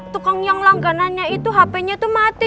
tukang yang langganannya itu hpnya tuh mati